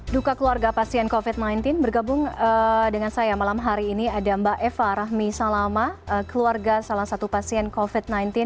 duka keluarga pasien covid sembilan belas bergabung dengan saya malam hari ini ada mbak eva rahmi salama keluarga salah satu pasien covid sembilan belas